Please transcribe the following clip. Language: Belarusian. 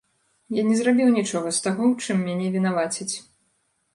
Я не зрабіў нічога з таго, у чым мяне вінавацяць.